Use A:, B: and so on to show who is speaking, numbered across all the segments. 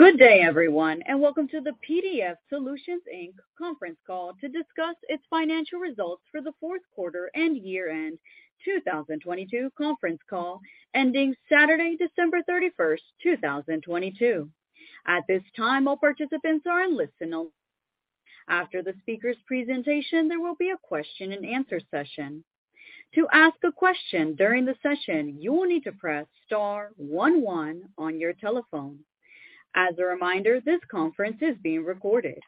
A: Good day, everyone, and welcome to the PDF Solutions, Inc conference call to discuss its financial results for the fourth quarter and year-end 2022 conference call ending Saturday, December 31, 2022. At this time, all participants are in listen only. After the speaker's presentation, there will be a question and answer session. To ask a question during the session, you will need to press star one one on your telephone. As a reminder, this conference is being recorded.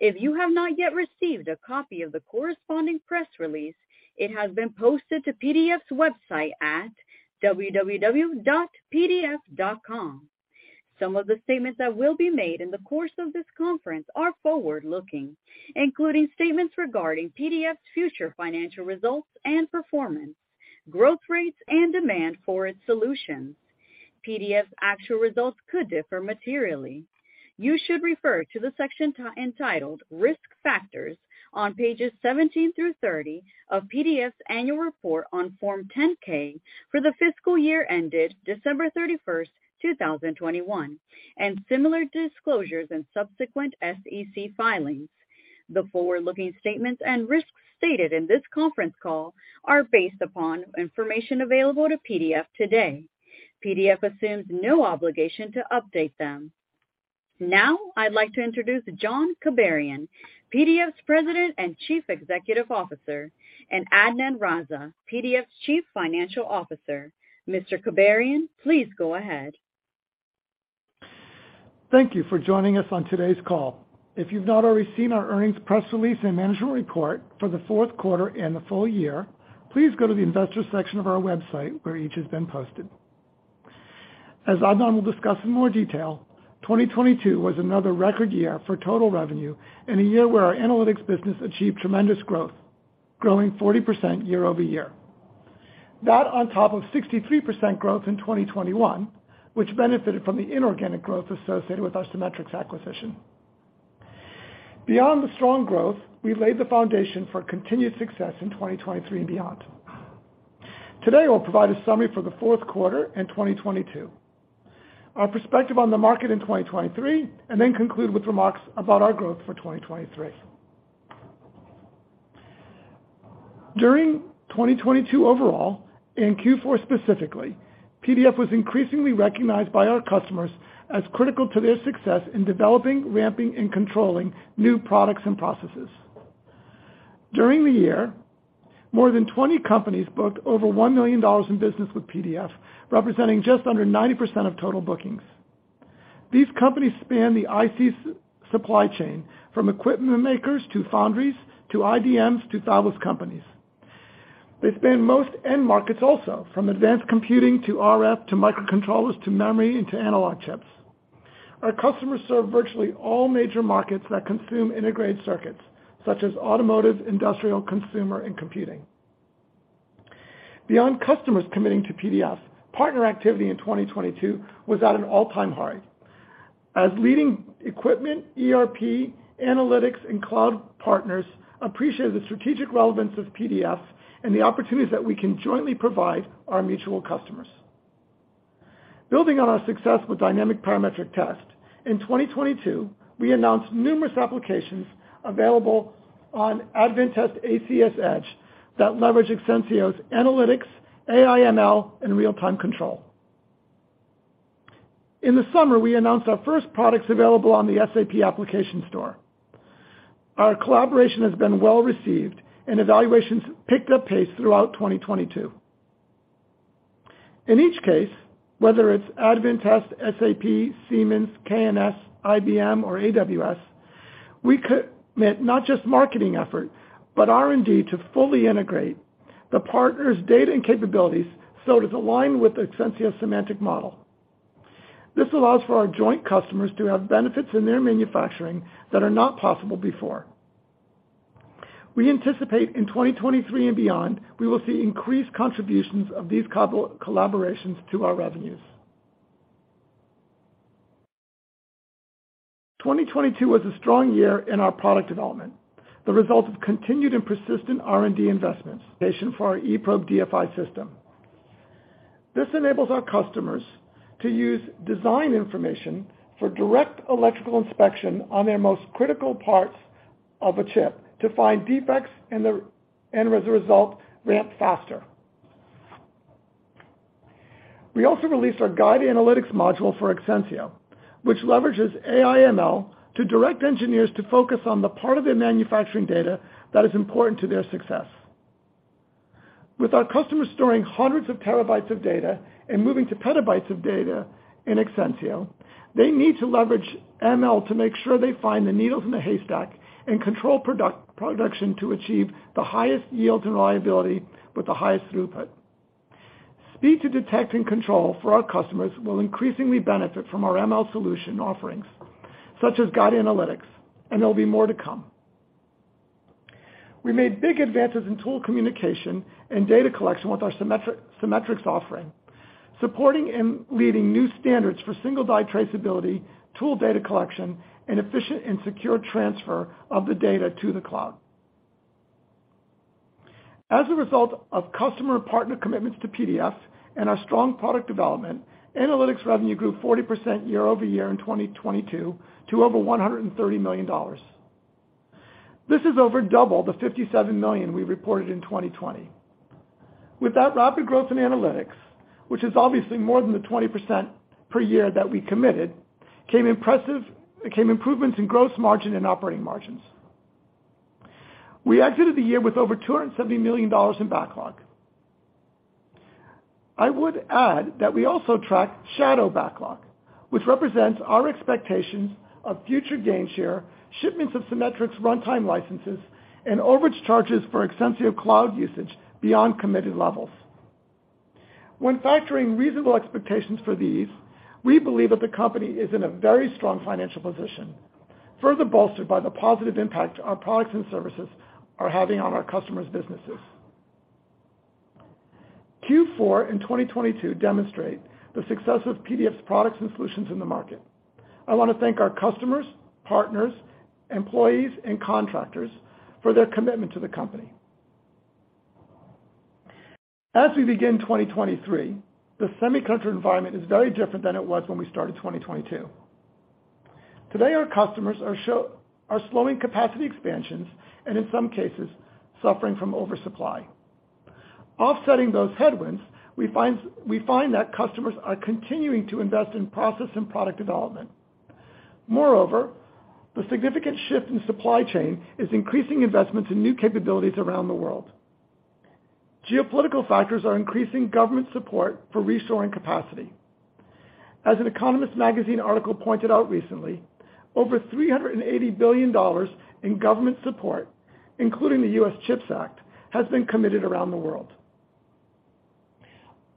A: If you have not yet received a copy of the corresponding press release, it has been posted to PDF's website at www.pdf.com. Some of the statements that will be made in the course of this conference are forward-looking, including statements regarding PDF's future financial results and performance, growth rates, and demand for its solutions. PDF's actual results could differ materially. You should refer to the section entitled Risk Factors on pages 17 through 30 of PDF's annual report on Form 10-K for the fiscal year ended December 31st, 2021, and similar disclosures in subsequent SEC filings. The forward-looking statements and risks stated in this conference call are based upon information available to PDF today. PDF assumes no obligation to update them. Now, I'd like to introduce John Kibarian, PDF's President and Chief Executive Officer, and Adnan Raza, PDF's Chief Financial Officer. Mr. Kibarian, please go ahead.
B: Thank you for joining us on today's call. If you've not already seen our earnings press release and management report for the fourth quarter and the full year, please go to the investor section of our website where each has been posted. As Adnan will discuss in more detail, 2022 was another record year for total revenue in a year where our analytics business achieved tremendous growth, growing 40% year-over-year. That on top of 63% growth in 2021, which benefited from the inorganic growth associated with our Cimetrix acquisition. Beyond the strong growth, we laid the foundation for continued success in 2023 and beyond. Today, we'll provide a summary for the fourth quarter in 2022, our perspective on the market in 2023, and then conclude with remarks about our growth for 2023. During 2022 overall, in Q4 specifically, PDF was increasingly recognized by our customers as critical to their success in developing, ramping, and controlling new products and processes. During the year, more than 20 companies booked over $1 million in business with PDF, representing just under 90% of total bookings. These companies span the IC supply chain, from equipment makers to foundries to IDMs to fabless companies. They span most end markets also, from advanced computing to RF, to microcontrollers, to memory, and to analog chips. Our customers serve virtually all major markets that consume integrated circuits such as automotive, industrial, consumer, and computing. Beyond customers committing to PDF, partner activity in 2022 was at an all-time high as leading equipment, ERP, analytics, and cloud partners appreciate the strategic relevance of PDF and the opportunities that we can jointly provide our mutual customers. Building on our success with Dynamic Parametric Test, in 2022, we announced numerous applications available on Advantest ACS Edge that leverage Exensio's analytics, AI ML, and real-time control. In the summer, we announced our first products available on the SAP application store. Our collaboration has been well-received, and evaluations picked up pace throughout 2022. In each case, whether it's Advantest, SAP, Siemens, K&S, IBM or AWS, we commit not just marketing effort, but R&D to fully integrate the partner's data and capabilities so it is aligned with the Exensio semantic model. This allows for our joint customers to have benefits in their manufacturing that are not possible before. We anticipate in 2023 and beyond, we will see increased contributions of these collaborations to our revenues. 2022 was a strong year in our product development, the result of continued and persistent R&D investments. For our eProbe DFI system. This enables our customers to use design information for direct electrical inspection on their most critical parts of a chip to find defects and as a result, ramp faster. We also released our Guide Analytics module for Exensio, which leverages AI ML to direct engineers to focus on the part of their manufacturing data that is important to their success. With our customers storing hundreds of terabytes of data and moving to petabytes of data in Exensio, they need to leverage ML to make sure they find the needles in the haystack and control production to achieve the highest yield and reliability with the highest throughput. Speed to detect and control for our customers will increasingly benefit from our ML solution offerings such as Guide Analytics. There'll be more to come. We made big advances in tool communication and data collection with our Cimetrix offering, supporting and leading new standards for single device traceability, tool data collection, and efficient and secure transfer of the data to the cloud. As a result of customer partner commitments to PDF and our strong product development, analytics revenue grew 40% year-over-year in 2022 to over $130 million. This is over double the $57 million we reported in 2020. With that rapid growth in analytics, which is obviously more than the 20% per year that we committed, came improvements in gross margin and operating margins. We exited the year with over $270 million in backlog. I would add that we also track shadow backlog, which represents our expectations of future gain share, shipments of Cimetrix runtime licenses, and overage charges for Exensio Cloud usage beyond committed levels. When factoring reasonable expectations for these, we believe that the company is in a very strong financial position, further bolstered by the positive impact our products and services are having on our customers' businesses. Q4 in 2022 demonstrate the success of PDF's products and solutions in the market. I wanna thank our customers, partners, employees, and contractors for their commitment to the company. We begin 2023, the semiconductor environment is very different than it was when we started 2022. Today, our customers are slowing capacity expansions, and in some cases, suffering from oversupply. Offsetting those headwinds, we find that customers are continuing to invest in process and product development. The significant shift in supply chain is increasing investments in new capabilities around the world. Geopolitical factors are increasing government support for reshoring capacity. The Economist magazine article pointed out recently, over $380 billion in government support, including the US CHIPS Act, has been committed around the world.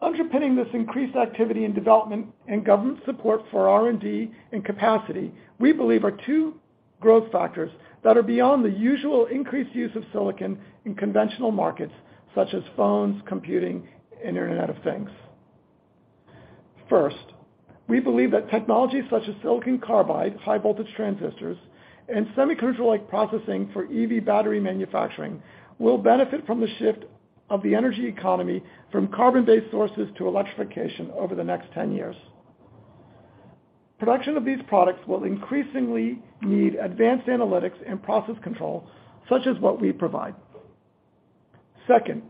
B: Underpinning this increased activity in development and government support for R&D and capacity, we believe are two growth factors that are beyond the usual increased use of silicon in conventional markets such as phones, computing, and Internet of Things. We believe that technologies such as Silicon Carbide, high-voltage transistors, and semiconductor-like processing for EV battery manufacturing will benefit from the shift of the energy economy from carbon-based sources to electrification over the next 10 years. Production of these products will increasingly need advanced analytics and process control, such as what we provide. Second,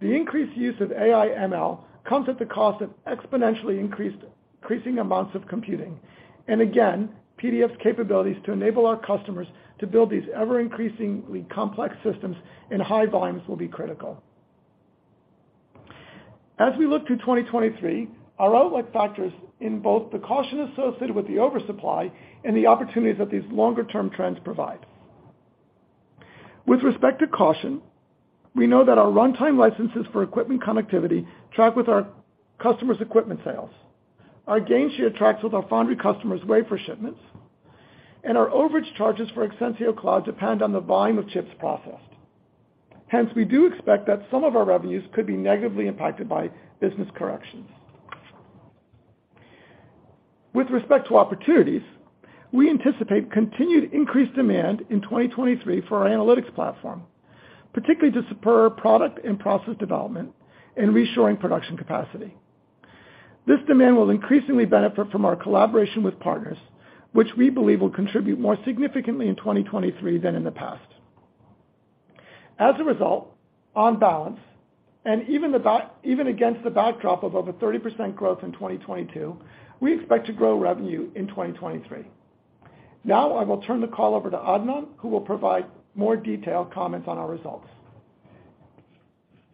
B: the increased use of AI ML comes at the cost of exponentially increasing amounts of computing. Again, PDF's capabilities to enable our customers to build these ever-increasingly complex systems in high volumes will be critical. As we look to 2023, our outlook factors in both the caution associated with the oversupply and the opportunities that these longer-term trends provide. With respect to caution, we know that our runtime licenses for equipment connectivity track with our customers' equipment sales. Our gain share tracks with our foundry customers' wafer shipments, and our overage charges for Exensio Cloud depend on the volume of chips processed. We do expect that some of our revenues could be negatively impacted by business corrections. With respect to opportunities, we anticipate continued increased demand in 2023 for our analytics platform, particularly to spur product and process development and reshoring production capacity. This demand will increasingly benefit from our collaboration with partners, which we believe will contribute more significantly in 2023 than in the past. As a result, on balance, even against the backdrop of over 30% growth in 2022, we expect to grow revenue in 2023. Now I will turn the call over to Adnan, who will provide more detailed comments on our results.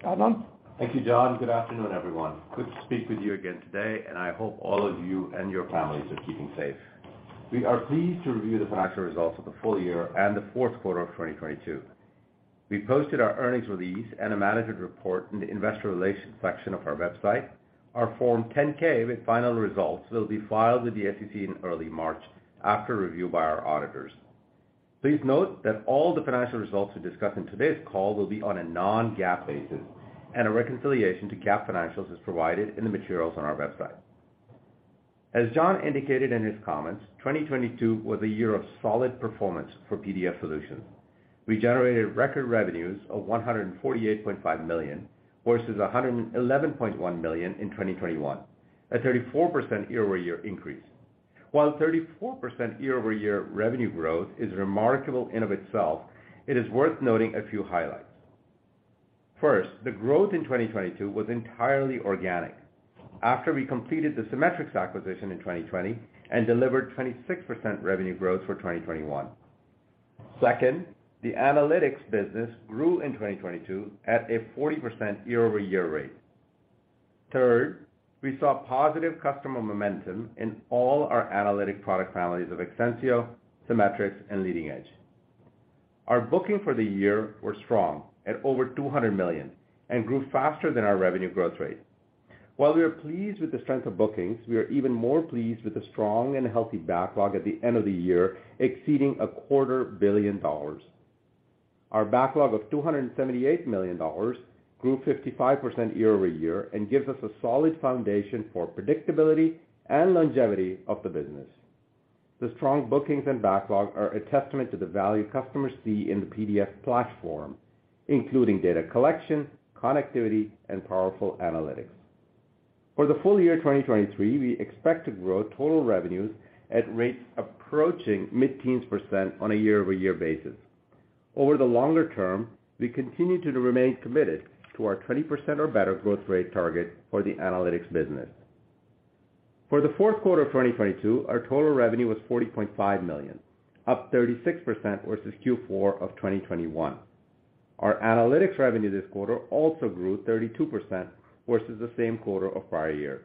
B: Adnan?
C: Thank you, John. Good afternoon, everyone. Good to speak with you again today. I hope all of you and your families are keeping safe. We are pleased to review the financial results of the full year and the fourth quarter of 2022. We posted our earnings release and a management report in the investor relations section of our website. Our Form 10-K with final results will be filed with the SEC in early March after review by our auditors. Please note that all the financial results we discussed in today's call will be on a non-GAAP basis. A reconciliation to GAAP financials is provided in the materials on our website. As John indicated in his comments, 2022 was a year of solid performance for PDF Solutions. We generated record revenues of $148.5 million, versus $111.1 million in 2021, a 34% year-over-year increase. While 34% year-over-year revenue growth is remarkable in of itself, it is worth noting a few highlights. First, the growth in 2022 was entirely organic. After we completed the Cimetrix acquisition in 2020 and delivered 26% revenue growth for 2021. Second, the analytics business grew in 2022 at a 40% year-over-year rate. Third, we saw positive customer momentum in all our analytic product families of Exensio, Cimetrix, and LeadingEdge. Our booking for the year were strong at over $200 million and grew faster than our revenue growth rate. While we are pleased with the strength of bookings, we are even more pleased with the strong and healthy backlog at the end of the year, exceeding a quarter billion dollars. Our backlog of $278 million grew 55% year-over-year and gives us a solid foundation for predictability and longevity of the business. The strong bookings and backlog are a testament to the value customers see in the PDF platform, including data collection, connectivity, and powerful analytics. For the full year 2023, we expect to grow total revenues at rates approaching mid-teens% on a year-over-year basis. Over the longer term, we continue to remain committed to our 20% or better growth rate target for the analytics business. For the fourth quarter of 2022, our total revenue was $40.5 million, up 36% versus Q4 of 2021. Our analytics revenue this quarter also grew 32% versus the same quarter of prior year.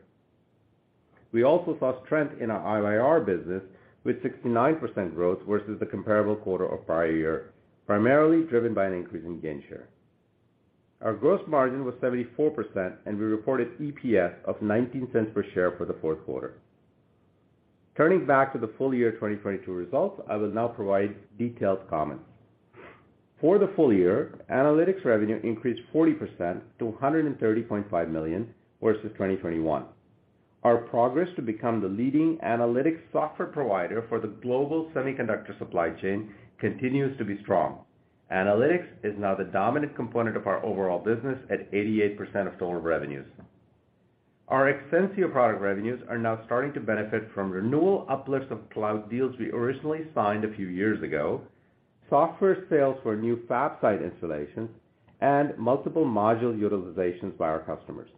C: We also saw strength in our IYR business, with 69% growth versus the comparable quarter of prior year, primarily driven by an increase in gainshare. Our gross margin was 74%, and we reported EPS of $0.19 per share for the fourth quarter. Turning back to the full year 2022 results, I will now provide detailed comments. For the full year, analytics revenue increased 40% to $130.5 million versus 2021. Our progress to become the leading analytics software provider for the global semiconductor supply chain continues to be strong. Analytics is now the dominant component of our overall business at 88% of total revenues. Our Exensio product revenues are now starting to benefit from renewal uplifts of cloud deals we originally signed a few years ago, software sales for new fab site installations, and multiple module utilizations by our customers.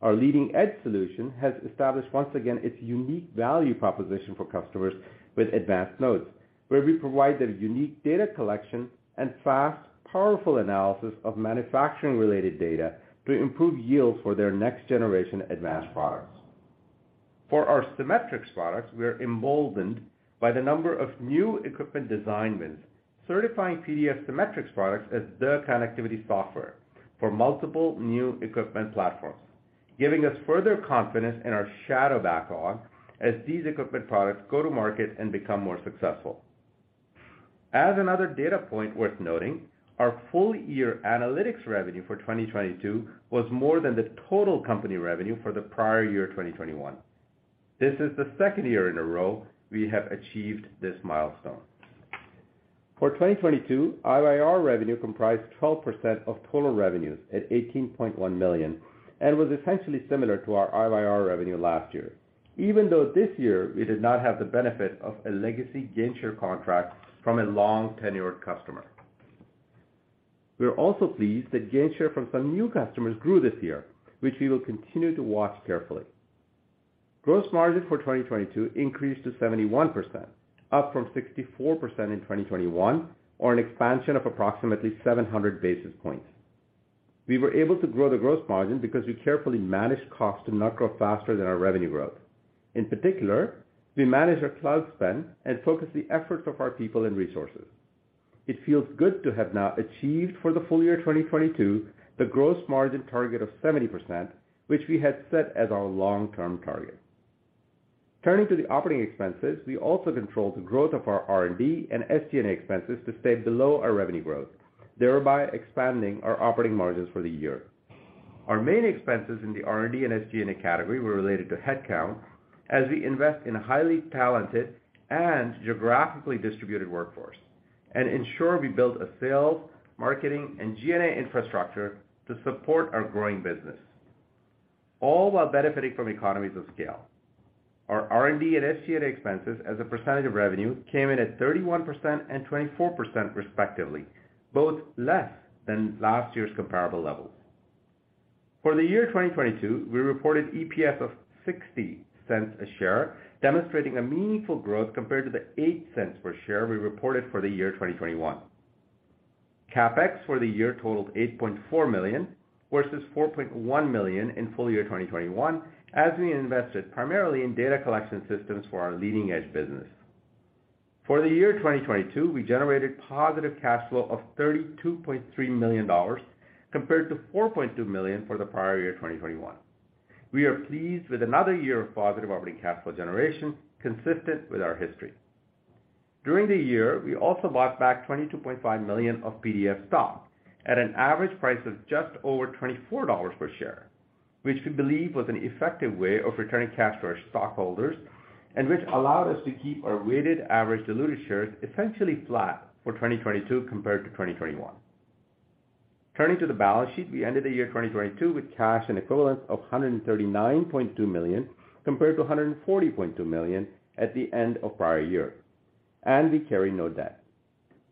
C: Our Leading Edge solution has established once again its unique value proposition for customers with advanced nodes, where we provide the unique data collection and fast, powerful analysis of manufacturing-related data to improve yield for their next generation advanced products. For our Cimetrix products, we are emboldened by the number of new equipment design wins, certifying PDF Cimetrix products as the connectivity software for multiple new equipment platforms, giving us further confidence in our shadow backlog as these equipment products go to market and become more successful. Another data point worth noting, our full year analytics revenue for 2022 was more than the total company revenue for the prior year, 2021. This is the second year in a row we have achieved this milestone. For 2022, IYR revenue comprised 12% of total revenues at $18.1 million, and was essentially similar to our IYR revenue last year, even though this year we did not have the benefit of a legacy gainshare contract from a long-tenured customer. We are also pleased that gainshare from some new customers grew this year, which we will continue to watch carefully. Gross margin for 2022 increased to 71%, up from 64% in 2021, or an expansion of approximately 700 basis points. We were able to grow the gross margin because we carefully managed costs to not grow faster than our revenue growth. In particular, we managed our cloud spend and focused the efforts of our people and resources. It feels good to have now achieved for the full year 2022 the gross margin target of 70%, which we had set as our long-term target. Turning to the operating expenses, we also controlled the growth of our R&D and SG&A expenses to stay below our revenue growth, thereby expanding our operating margins for the year. Our main expenses in the R&D and SG&A category were related to headcount, as we invest in highly talented and geographically distributed workforce and ensure we build a sales, marketing, and G&A infrastructure to support our growing business, all while benefiting from economies of scale. Our R&D and SG&A expenses as a percentage of revenue came in at 31% and 24% respectively, both less than last year's comparable levels. For the year 2022, we reported EPS of $0.60 a share, demonstrating a meaningful growth compared to the $0.08 per share we reported for the year 2021. CapEx for the year totaled $8.4 million, versus $4.1 million in full year 2021, as we invested primarily in data collection systems for our Leading Edge business. For the year 2022, we generated positive cash flow of $32.3 million, compared to $4.2 million for the prior year, 2021. We are pleased with another year of positive operating cash flow generation consistent with our history. During the year, we also bought back $22.5 million of PDF stock at an average price of just over $24 per share, which we believe was an effective way of returning cash to our stockholders and which allowed us to keep our weighted average diluted shares essentially flat for 2022 compared to 2021. Turning to the balance sheet, we ended the year 2022 with cash and equivalents of $139.2 million, compared to $140.2 million at the end of prior year, and we carry no debt.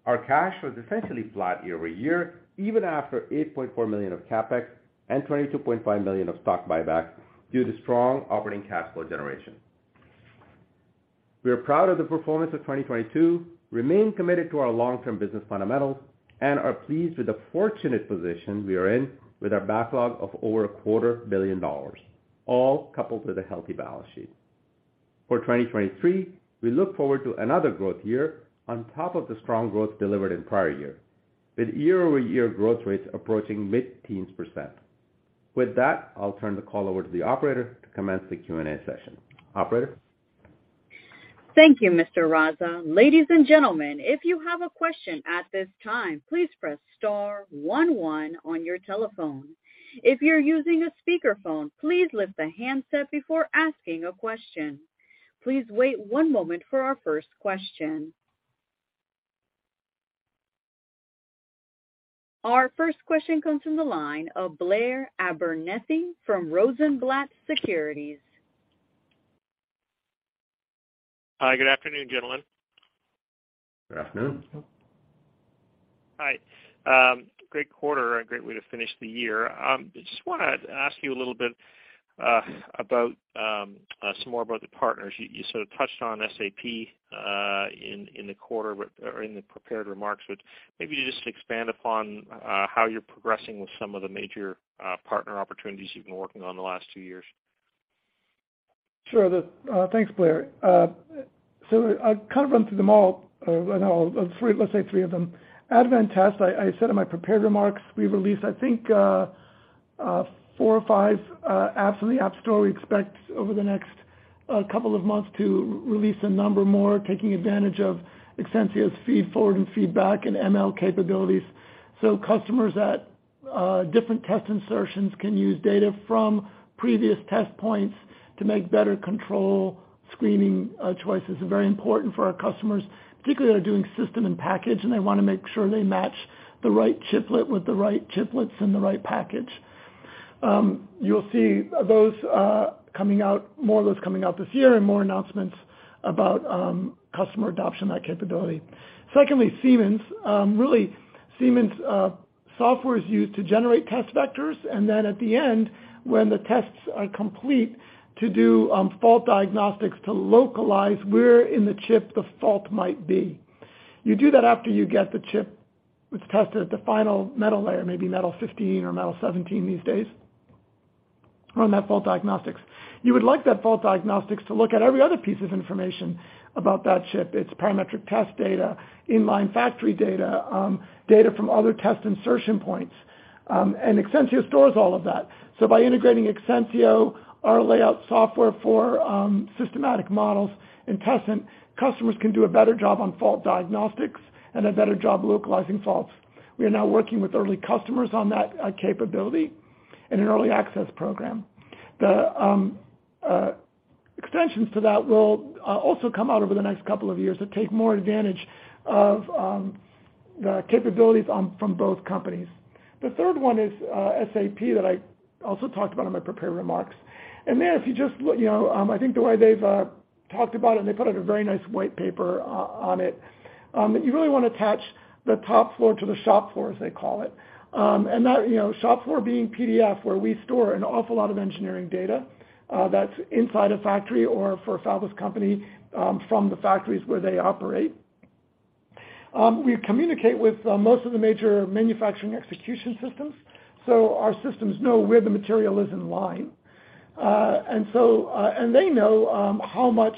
C: Our cash was essentially flat year-over-year, even after $8.4 million of CapEx and $22.5 million of stock buyback due to strong operating cash flow generation. We are proud of the performance of 2022, remain committed to our long-term business fundamentals, and are pleased with the fortunate position we are in with our backlog of over a quarter billion dollars, all coupled with a healthy balance sheet. For 2023, we look forward to another growth year on top of the strong growth delivered in prior year, with year-over-year growth rates approaching mid-teens%. With that, I'll turn the call over to the operator to commence the Q&A session. Operator?
A: Thank you, Mr. Raza. Ladies and gentlemen, if you have a question at this time, please press star one one on your telephone. If you're using a speakerphone, please lift the handset before asking a question. Please wait one moment for our first question. Our first question comes from the line of Blair Abernethy from Rosenblatt Securities.
D: Hi, good afternoon, gentlemen.
B: Good afternoon.
D: Hi. Great quarter and great way to finish the year. I just wanna ask you a little bit about some more about the partners. You sort of touched on SAP in the quarter or in the prepared remarks. Maybe just expand upon how you're progressing with some of the major partner opportunities you've been working on the last two years.
B: Sure. Thanks, Blair. I'll kind of run through them all. Well, no, let's say three of them. Advantest, I said in my prepared remarks, we released, I think, four or five apps on the App Store. We expect over the next couple of months to release a number more, taking advantage of Exensio's feedforward and feedback and ML capabilities. Customers at different test insertions can use data from previous test points to make better control screening choices. Very important for our customers, particularly that are doing system and package, and they wanna make sure they match the right chiplet with the right chiplets in the right package. You'll see those more of those coming out this year and more announcements about customer adoption of that capability. Secondly, Siemens. Really, Siemens software is used to generate test vectors, and then at the end, when the tests are complete, to do fault diagnostics to localize where in the chip the fault might be. You do that after you get the chip. It's tested at the final metal layer, maybe metal 15 or metal 17 these days, run that fault diagnostics. You would like that fault diagnostics to look at every other piece of information about that chip, its parametric test data, in-line factory data from other test insertion points. Exensio stores all of that. By integrating Exensio, our layout software for systematic models and tests, customers can do a better job on fault diagnostics and a better job localizing faults. We are now working with early customers on that capability in an early access program. The extensions to that will also come out over the next couple of years that take more advantage of the capabilities from both companies. The third one is SAP that I also talked about in my prepared remarks. There, if you just look, you know, I think the way they've talked about it, and they put out a very nice white paper on it. You really wanna attach the top floor to the shop floor, as they call it. That, you know, shop floor being PDF, where we store an awful lot of engineering data that's inside a factory or for a fabless company from the factories where they operate. We communicate with most of the major Manufacturing Execution Systems, so our systems know where the material is in line. They know how much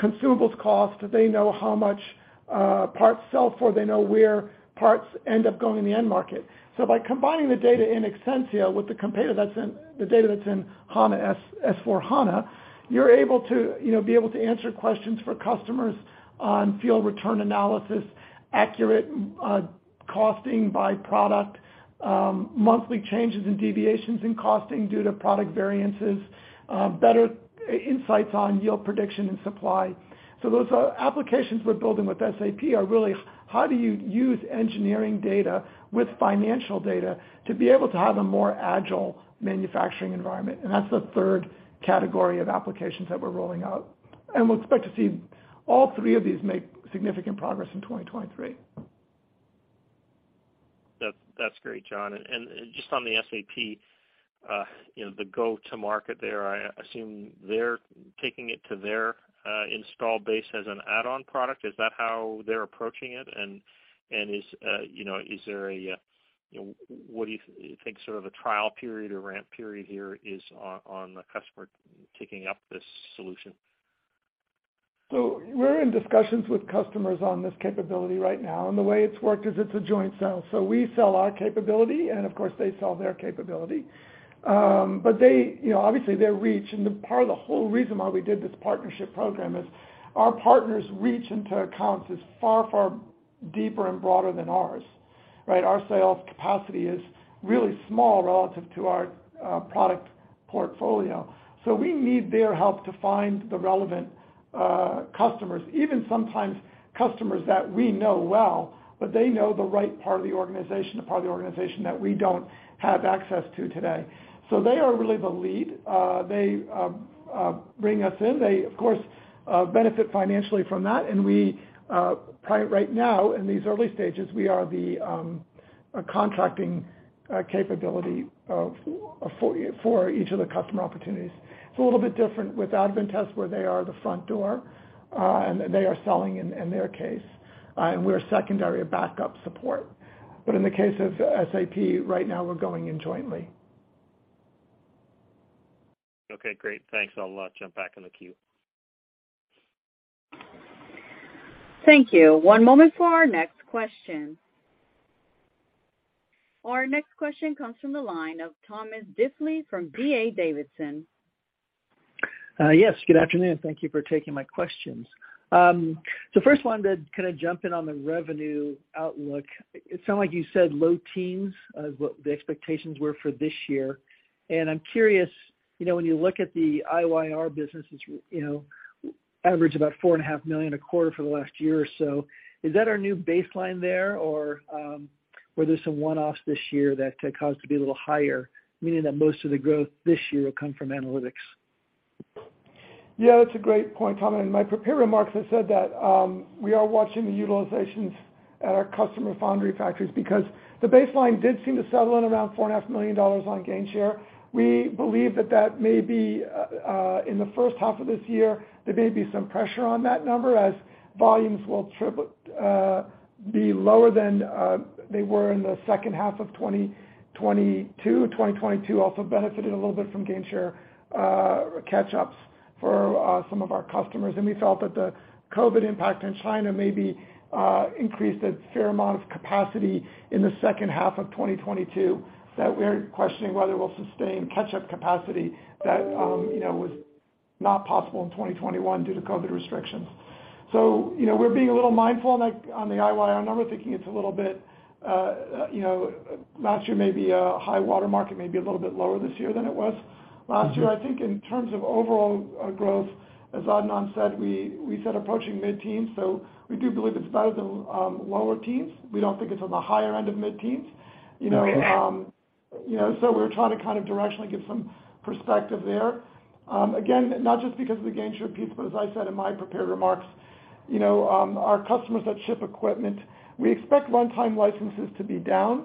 B: consumables cost. They know how much parts sell for. They know where parts end up going in the end market. By combining the data in Exensio with the data that's in hana S/4HANA, you're able to, you know, be able to answer questions for customers on field return analysis, accurate costing by product, monthly changes in deviations in costing due to product variances, better insights on yield prediction and supply. Those are applications we're building with SAP are really how do you use engineering data with financial data to be able to have a more agile manufacturing environment. That's the third category of applications that we're rolling out. We'll expect to see all three of these make significant progress in 2023.
D: That's great, John. Just on the SAP, you know, the go-to-market there, I assume they're taking it to their install base as an add-on product. Is that how they're approaching it? What do you think sort of a trial period or ramp period here is on the customer taking up this solution?
B: We're in discussions with customers on this capability right now, and the way it's worked is it's a joint sale. We sell our capability, and of course they sell their capability. They, you know, obviously their reach, and the part of the whole reason why we did this partnership program is our partners reach into accounts is far, far deeper and broader than ours, right? Our sales capacity is really small relative to our product portfolio. We need their help to find the relevant customers, even sometimes customers that we know well, but they know the right part of the organization, the part of the organization that we don't have access to today. They are really the lead. They bring us in. They, of course, benefit financially from that. We right now, in these early stages, we are the a contracting capability for each of the customer opportunities. It's a little bit different with Advantest, where they are the front door, and they are selling in their case, and we're secondary backup support. In the case of SAP, right now we're going in jointly.
D: Okay, great. Thanks a lot. Jump back in the queue.
A: Thank you. One moment for our next question. Our next question comes from the line of Tom Diffely from D.A. Davidson.
E: Yes, good afternoon. Thank you for taking my questions. First one to kinda jump in on the revenue outlook. It sounded like you said low teens is what the expectations were for this year. I'm curious, you know, when you look at the IYR business, it's, you know, averaged about $4.5 million a quarter for the last year or so. Is that our new baseline there? Or, where there's some one-offs this year that could cause it to be a little higher, meaning that most of the growth this year will come from analytics?
B: Yeah, that's a great point, Tom. In my prepared remarks, I said that we are watching the utilizations at our customer foundry factories because the baseline did seem to settle at around four and a half million dollars on gainshare. We believe that that may be in the first half of this year, there may be some pressure on that number as volumes will be lower than they were in the second half of 2022. 2022 also benefited a little bit from gainshare, catch-ups for some of our customers. We felt that the COVID impact in China maybe increased a fair amount of capacity in the second half of 2022, that we're questioning whether we'll sustain catch-up capacity that, you know, was not possible in 2021 due to COVID restrictions. You know, we're being a little mindful on the IYR number, thinking it's a little bit, you know, last year may be a high water market, may be a little bit lower this year than it was last year. I think in terms of overall growth, as Adnan said, we said approaching mid-teens, so we do believe it's better than lower teens. We don't think it's on the higher end of mid-teens, you know, you know. We're trying to kind of directionally give some perspective there. Again, not just because of the gainshare piece, but as I said in my prepared remarks, you know, our customers that ship equipment, we expect runtime licenses to be down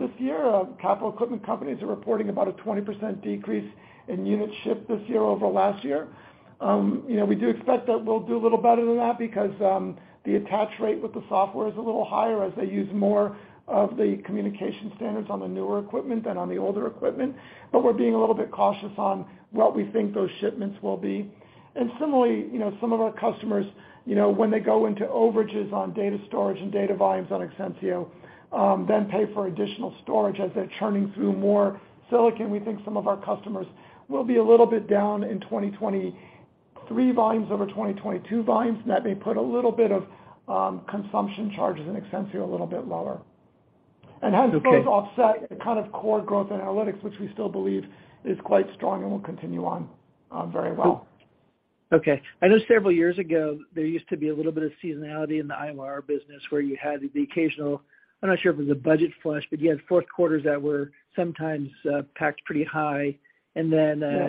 B: this year. Capital equipment companies are reporting about a 20% decrease in units shipped this year over last year. You know, we do expect that we'll do a little better than that because the attach rate with the software is a little higher as they use more of the communication standards on the newer equipment than on the older equipment. We're being a little bit cautious on what we think those shipments will be. Similarly, you know, some of our customers, you know, when they go into overages on data storage and data volumes on Exensio, then pay for additional storage as they're churning through more silicon. We think some of our customers will be a little bit down in 2023 volumes over 2022 volumes. That may put a little bit of consumption charges in Exensio a little bit lower.
E: Okay.
B: As those offset the kind of core growth in analytics, which we still believe is quite strong and will continue on, very well.
E: Okay. I know several years ago, there used to be a little bit of seasonality in the IYR business where you had the occasional, I'm not sure if it was a budget flush, but you had fourth quarters that were sometimes packed pretty high.
B: Yeah...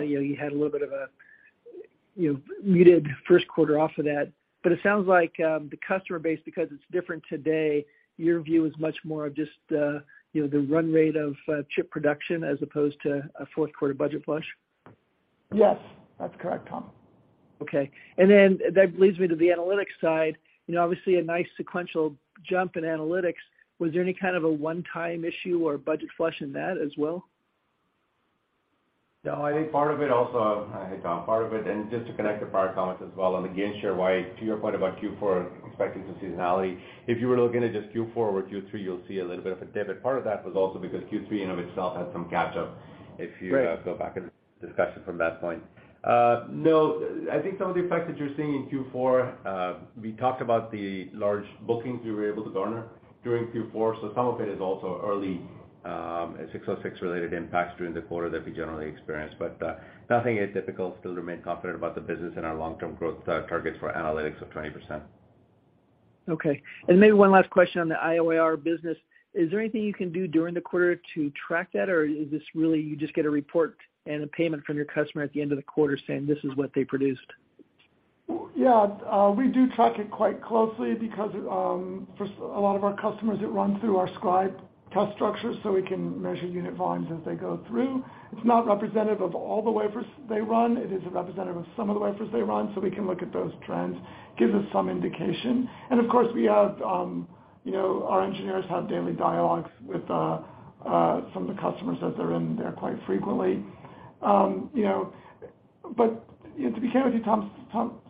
E: you know, you had a little bit of a, you know, muted first quarter off of that. It sounds like the customer base, because it's different today, your view is much more of just, you know, the run rate of chip production as opposed to a fourth quarter budget flush.
B: Yes, that's correct, Tom.
E: Okay. Then that leads me to the analytics side. You know, obviously a nice sequential jump in analytics. Was there any kind of a one-time issue or budget flush in that as well?
C: I think part of it also, hey, Tom. Part of it, just to connect to prior comments as well on the gainshare, why to your point about Q4 expecting some seasonality, if you were looking at just Q4 over Q3, you'll see a little bit of a dip. Part of that was also because Q3 in of itself had some catch up.
E: Right.
C: If you go back and discussion from that point. No, I think some of the effects that you're seeing in Q4, we talked about the large bookings we were able to garner during Q4. Some of it is also early, 606 related impacts during the quarter that we generally experience. Nothing is difficult to remain confident about the business and our long-term growth targets for analytics of 20%.
E: Okay. Maybe one last question on the IYR business. Is there anything you can do during the quarter to track that, or is this really you just get a report and a payment from your customer at the end of the quarter saying this is what they produced?
B: Yeah, we do track it quite closely because, first, a lot of our customers, it runs through our scribe test structure, so we can measure unit volumes as they go through. It's not representative of all the wafers they run. It is a representative of some of the wafers they run, so we can look at those trends, gives us some indication. Of course, we have, you know, our engineers have daily dialogues with some of the customers that they're in there quite frequently. You know, to be clear with you, Tom,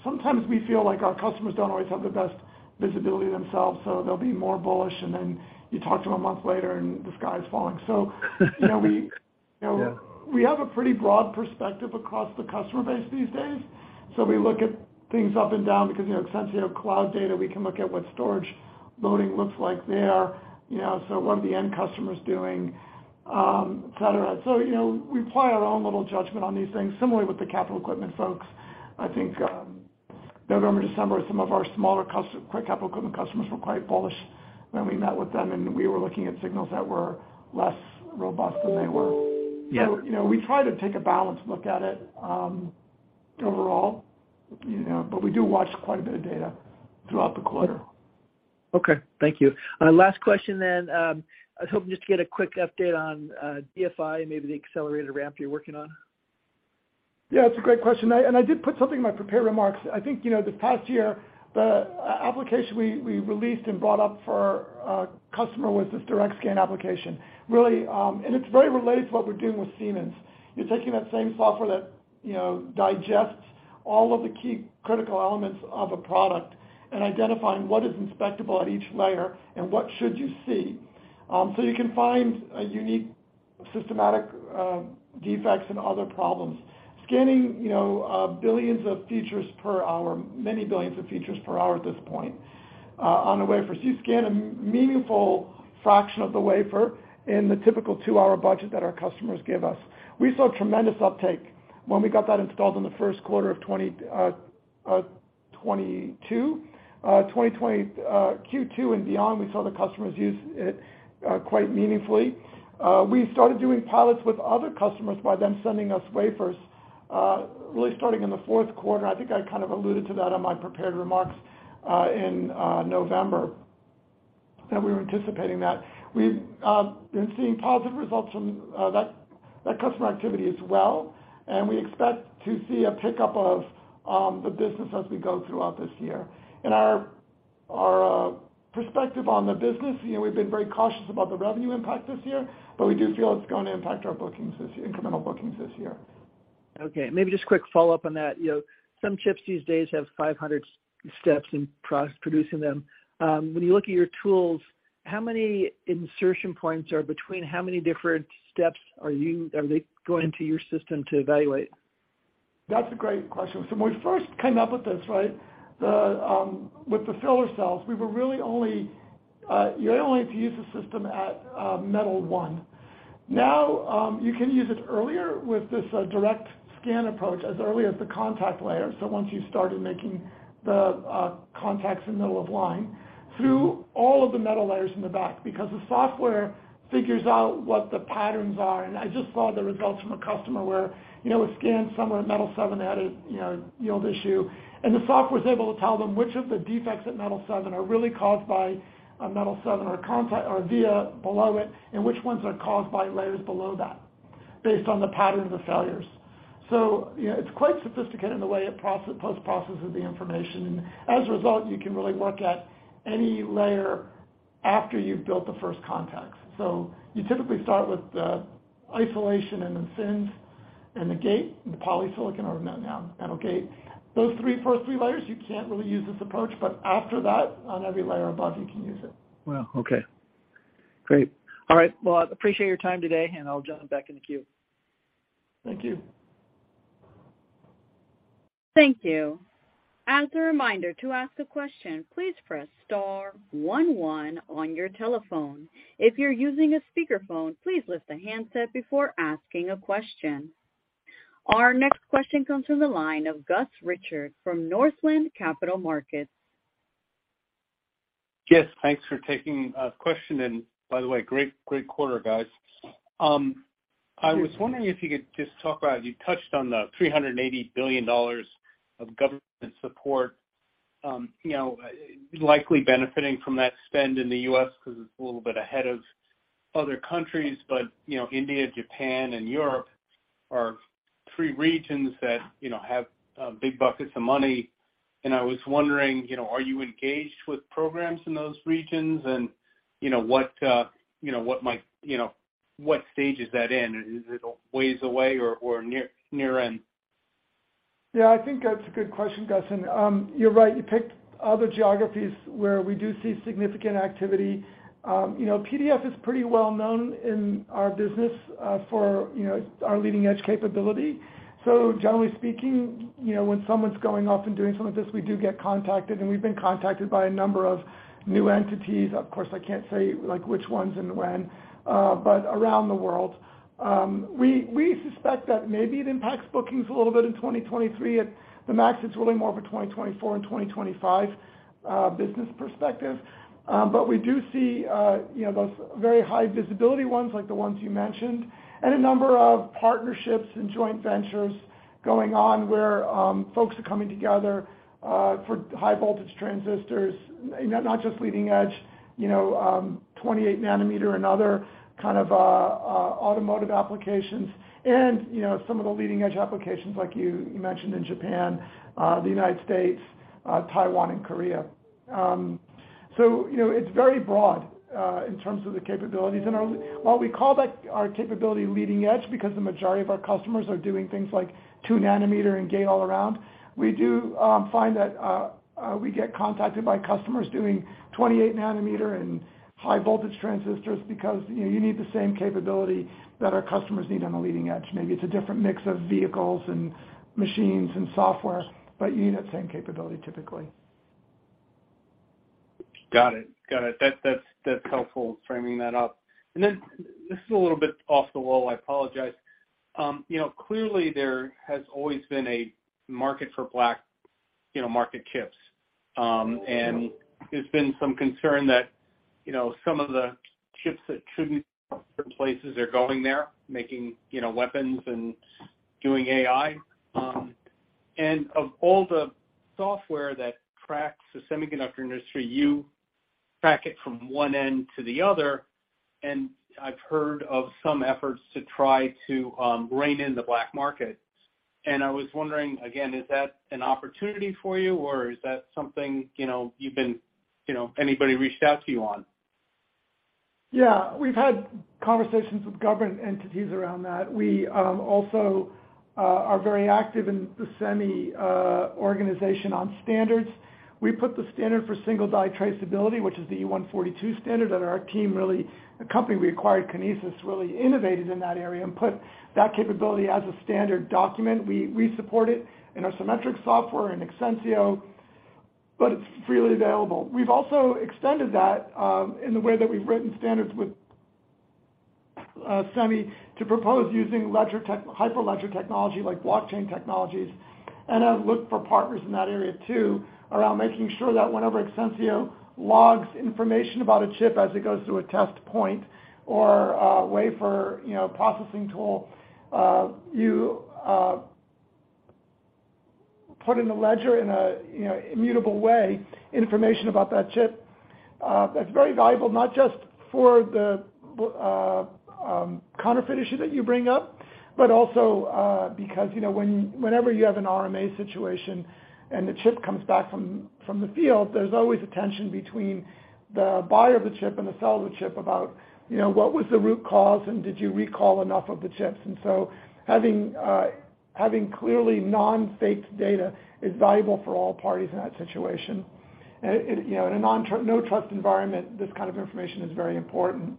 B: sometimes we feel like our customers don't always have the best visibility themselves, so they'll be more bullish, and then you talk to them a month later and the sky is falling.
E: Yeah.
B: You know, we, you know, we have a pretty broad perspective across the customer base these days. We look at things up and down because, you know, Exensio Cloud data, we can look at what storage loading looks like there. You know, what are the end customers doing, et cetera. You know, we apply our own little judgment on these things. Similarly with the capital equipment folks, I think, November, December, some of our smaller capital equipment customers were quite bullish when we met with them, and we were looking at signals that were less robust than they were.
E: Yeah.
B: you know, we try to take a balanced look at it, overall, you know, but we do watch quite a bit of data throughout the quarter.
E: Okay. Thank you. last question then. I was hoping just to get a quick update on DFI, maybe the accelerated ramp you're working on.
B: Yeah, it's a great question. And I did put something in my prepared remarks. I think, you know, this past year, the application we released and brought up for our customer was this DirectScan application, really, and it's very related to what we're doing with Siemens. You're taking that same software that, you know, digests all of the key critical elements of a product and identifying what is inspectable at each layer and what should you see. You can find a unique systematic defects and other problems. Scanning, you know, billions of features per hour, many billions of features per hour at this point, on a wafer. You scan a meaningful fraction of the wafer in the typical 2-hour budget that our customers give us. We saw tremendous uptake when we got that installed in the first quarter of 2020, Q2 and beyond, we saw the customers use it quite meaningfully. We started doing pilots with other customers by them sending us wafers, really starting in the fourth quarter. I think I kind of alluded to that on my prepared remarks in November that we were anticipating that. We've been seeing positive results from that customer activity as well, and we expect to see a pickup of the business as we go throughout this year. Our perspective on the business, you know, we've been very cautious about the revenue impact this year, but we do feel it's gonna impact our bookings this year, incremental bookings this year.
E: Okay. Maybe just a quick follow-up on that. You know, some chips these days have 500 steps in producing them. When you look at your tools, how many insertion points or between how many different steps are they going into your system to evaluate?
B: That's a great question. When we first came up with this, right, the with the filler cells, we were really only, you only have to use the system at metal one. Now, you can use it earlier with this DirectScan approach as early as the contact layer. Once you started making the contacts in the middle of line through all of the metal layers in the back, because the software figures out what the patterns are. I just saw the results from a customer where, you know, a scan somewhere in metal seven had a, you know, yield issue, and the software was able to tell them which of the defects at metal seven are really caused by a metal seven or contact or via below it, and which ones are caused by layers below that based on the pattern of the failures. You know, it's quite sophisticated in the way it post-processes the information. As a result, you can really look at any layer after you've built the first contacts. You typically start with the isolation and the thins and the gate and the polysilicon or no, metal gate. Those first three layers, you can't really use this approach, but after that, on every layer above, you can use it.
E: Wow. Okay. Great. All right. Well, I appreciate your time today, and I'll jump back in the queue.
B: Thank you.
A: Thank you. As a reminder, to ask a question, please press star one one on your telephone. If you're using a speakerphone, please lift a handset before asking a question. Our next question comes from the line of Gus Richard from Northland Capital Markets.
F: Yes, thanks for taking a question. By the way, great quarter, guys. I was wondering if you could just talk about, you touched on the $380 billion of government support, you know, likely benefiting from that spend in the U.S. because it's a little bit ahead of other countries. You know, India, Japan, and Europe are three regions that, you know, have big buckets of money. I was wondering, you know, are you engaged with programs in those regions? You know, what, you know, what might, you know, what stage is that in? Is it a ways away or near end?
B: Yeah, I think that's a good question, Gus. You're right. You picked other geographies where we do see significant activity. You know, PDF is pretty well known in our business for, you know, our leading-edge capability. Generally speaking, you know, when someone's going off and doing some of this, we do get contacted, and we've been contacted by a number of new entities. Of course, I can't say like, which ones and when, but around the world. We suspect that maybe it impacts bookings a little bit in 2023. At the max, it's really more of a 2024 and 2025 business perspective. We do see, you know, those very high visibility ones, like the ones you mentioned, and a number of partnerships and joint ventures going on where folks are coming together for high voltage transistors, not just leading edge, you know, 28 nanometer and other kind of automotive applications. You know, some of the leading edge applications like you mentioned in Japan, the United States, Taiwan and Korea. It's very broad in terms of the capabilities. While we call that our capability leading edge because the majority of our customers are doing things like two nanometer and gate-all-around, we do find that we get contacted by customers doing 28 nanometer and high voltage transistors because, you know, you need the same capability that our customers need on the leading edge. Maybe it's a different mix of vehicles and machines and software, but you need that same capability typically.
F: Got it. Got it. That, that's helpful framing that up. This is a little bit off the wall. I apologize. You know, clearly there has always been a market for black, you know, market chips. There's been some concern that, you know, some of the chips that shouldn't, from places are going there making, you know, weapons and doing AI. Of all the software that tracks the semiconductor industry, you track it from one end to the other. I've heard of some efforts to try to rein in the black market. I was wondering again, is that an opportunity for you or is that something, you know, you've been, you know, anybody reached out to you on?
B: Yeah, we've had conversations with government entities around that. We also are very active in the SEMI organization on standards. We put the standard for single device traceability, which is the SEMI E142 standard that our team, a company we acquired, Kinesis, really innovated in that area and put that capability as a standard document. We support it in our Cimetrix software in Exensio, but it's freely available. We've also extended that in the way that we've written standards with SEMI to propose using Hyperledger technology like blockchain technologies and have looked for partners in that area too, around making sure that whenever Exensio logs information about a chip as it goes through a test point or a wafer, you know, processing tool, you put in a ledger in a, you know, immutable way information about that chip. That's very valuable, not just for the counterfeit issue that you bring up, but also because, you know, whenever you have an RMA situation and the chip comes back from the field, there's always a tension between the buyer of the chip and the seller of the chip about, you know, what was the root cause, and did you recall enough of the chips? Having clearly non-faked data is valuable for all parties in that situation. You know, in a no trust environment, this kind of information is very important.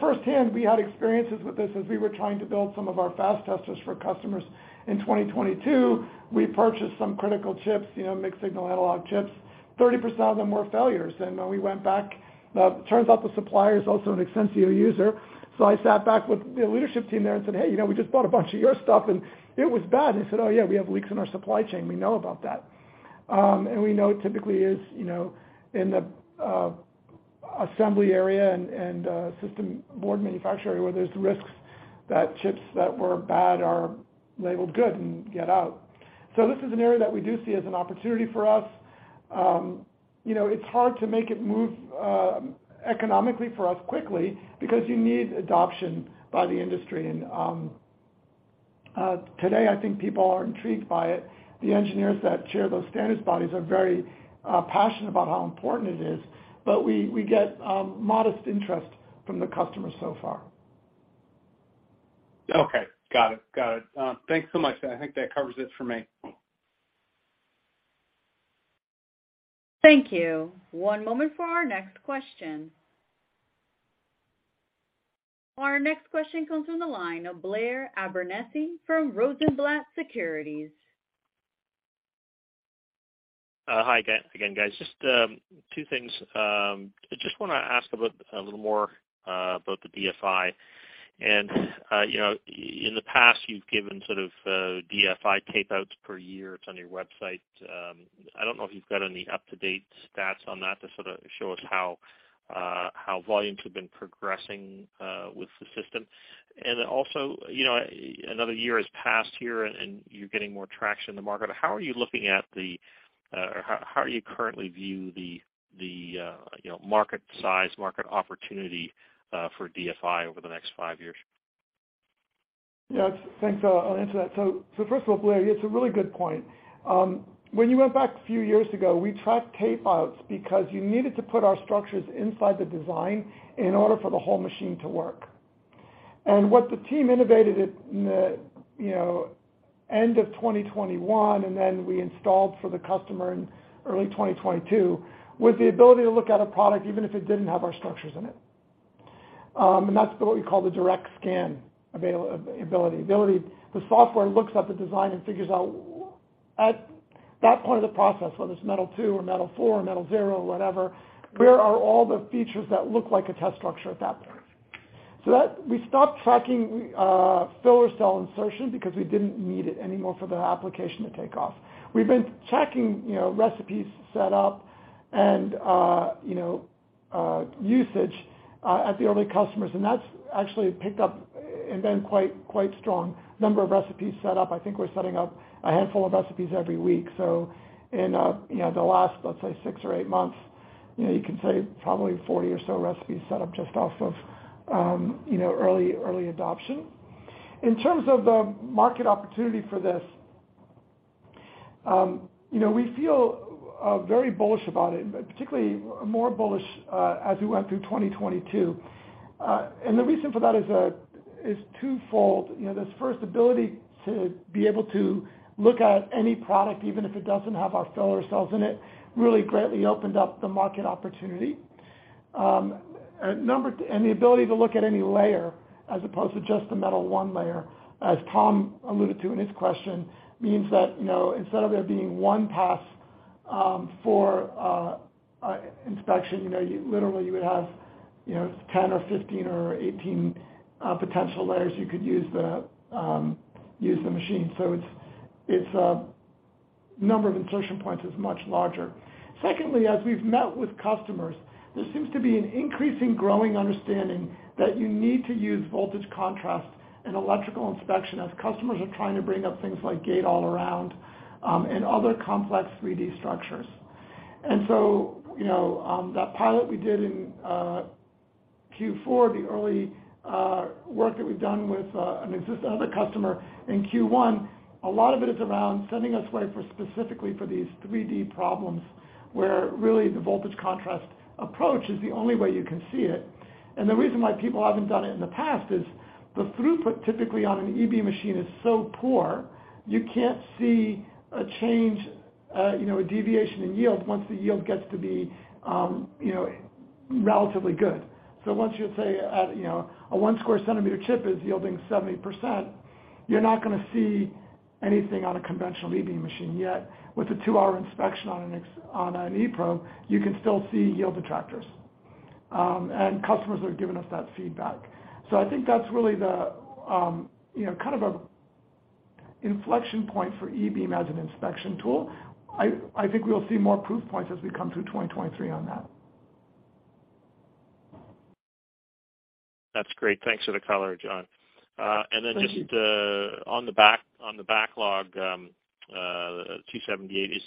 B: Firsthand, we had experiences with this as we were trying to build some of our fast testers for customers. In 2022, we purchased some critical chips, you know, mixed signal analog chips. 30% of them were failures. When we went back, turns out the supplier is also an Exensio user. I sat back with the leadership team there and said, "Hey, you know, we just bought a bunch of your stuff and it was bad." They said, "Oh, yeah, we have leaks in our supply chain. We know about that." We know it typically is, you know, in the assembly area and system board manufacturer where there's risks that chips that were bad are labeled good and get out. This is an area that we do see as an opportunity for us. You know, it's hard to make it move economically for us quickly because you need adoption by the industry. Today, I think people are intrigued by it. The engineers that chair those standards bodies are very passionate about how important it is, but we get modest interest from the customer so far.
F: Okay. Got it. Got it. Thanks so much. I think that covers it for me.
A: Thank you. One moment for our next question. Our next question comes from the line of Blair Abernethy from Rosenblatt Securities.
D: Hi again, guys. Just two things. I just wanna ask a little more about the DFI. You know, in the past, you've given sort of DFI tapeouts per year. It's on your website. I don't know if you've got any up-to-date stats on that to sort of show us how volumes have been progressing with the system. You know, another year has passed here, and you're getting more traction in the market. How are you looking at the, or how do you currently view the, you know, market size, market opportunity for DFI over the next five years?
B: Thanks. I'll answer that. First of all, Blair, it's a really good point. When you went back a few years ago, we tracked tapeouts because you needed to put our structures inside the design in order for the whole machine to work. What the team innovated it in the, you know, end of 2021, and then we installed for the customer in early 2022, was the ability to look at a product, even if it didn't have our structures in it. That's what we call the DirectScan ability. The ability. The software looks at the design and figures out at that point of the process, whether it's metal two or metal four or metal zero or whatever, where are all the features that look like a test structure at that point? That we stopped tracking filler cell insertion because we didn't need it anymore for the application to take off. We've been checking, you know, recipes set up and, you know, usage at the early customers, that's actually picked up and been quite strong. Number of recipes set up. I think we're setting up a handful of recipes every week. In, you know, the last, let's say, six or eight months, you know, you can say probably 40 or so recipes set up just off of, you know, early adoption. In terms of the market opportunity for this, you know, we feel very bullish about it, but particularly more bullish as we went through 2022. The reason for that is twofold. You know, this first ability to be able to look at any product, even if it doesn't have our filler cells in it, really greatly opened up the market opportunity. and the ability to look at any layer as opposed to just the metal one layer, as Tom alluded to in his question, means that, you know, instead of there being one pass for inspection, you know, you literally, you would have, you know, 10 or 15 or 18 potential layers you could use the machine. It's number of insertion points is much larger. Secondly, as we've met with customers, there seems to be an increasing growing understanding that you need to use voltage contrast in electrical inspection as customers are trying to bring up things like gate-all-around and other complex 3D structures. You know, that pilot we did in Q4, the early work that we've done with another customer in Q1, a lot of it is around sending us wafers specifically for these 3D problems, where really the voltage contrast approach is the only way you can see it. The reason why people haven't done it in the past is the throughput typically on an E-beam machine is so poor you can't see a change, you know, a deviation in yield once the yield gets to be, you know, relatively good. Once you say at, you know, a one square centimeter chip is yielding 70%. You're not gonna see anything on a conventional E-beam machine yet. With a two hour inspection on an eProbe, you can still see yield detractors. Customers have given us that feedback. I think that's really the, you know, kind of a inflection point for E-beam as an inspection tool. I think we'll see more proof points as we come through 2023 on that.
D: That's great. Thanks for the color, John. Just on the backlog, $278 million is.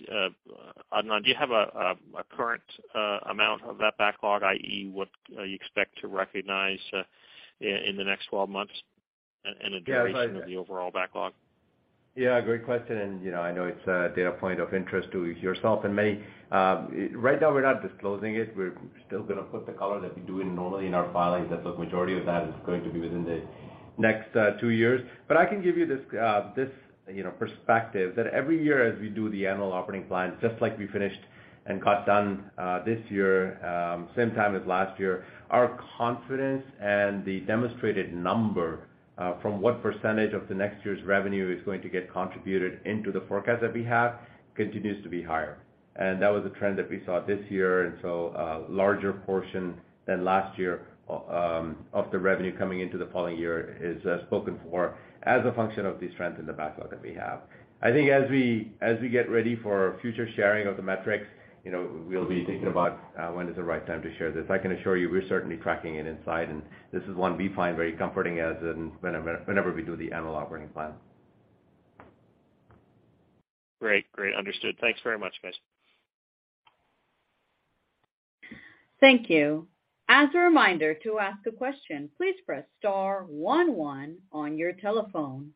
D: Adnan, do you have a current amount of that backlog, i.e., what you expect to recognize in the next 12 months and the duration of the overall backlog?
C: Yeah, great question. You know, I know it's a data point of interest to yourself and me. Right now we're not disclosing it. We're still gonna put the color that we do in normally in our filings, that the majority of that is going to be within the next two years. I can give you this, you know, perspective that every year as we do the annual operating plan, just like we finished and got done this year, same time as last year, our confidence and the demonstrated number, from what percentage of the next year's revenue is going to get contributed into the forecast that we have continues to be higher. That was a trend that we saw this year. Larger portion than last year of the revenue coming into the following year is spoken for as a function of the strength in the backlog that we have. I think as we get ready for future sharing of the metrics, you know, we'll be thinking about when is the right time to share this. I can assure you we're certainly tracking it inside, and this is one we find very comforting as in whenever we do the annual operating plan.
D: Great. Understood. Thanks very much, guys.
A: Thank you. As a reminder, to ask a question, please press star one one on your telephone.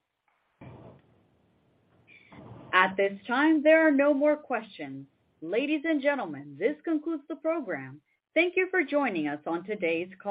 A: At this time, there are no more questions. Ladies and gentlemen, this concludes the program. Thank you for joining us on today's call.